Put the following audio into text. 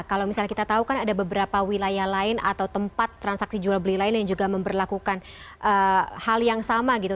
kalau misalnya kita tahu kan ada beberapa wilayah lain atau tempat transaksi jual beli lain yang juga memperlakukan hal yang sama gitu